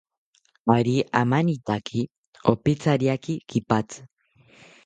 Ari amanitaki, opithariaki kipatzi